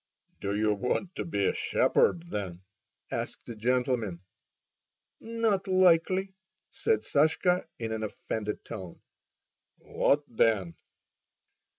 "Do you want to be a shepherd, then?" asked the gentleman. "Not likely!" said Sashka, in an offended tone. "What then?"